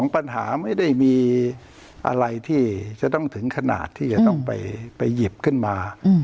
ปัญหาไม่ได้มีอะไรที่จะต้องถึงขนาดที่จะต้องไปหยิบขึ้นมา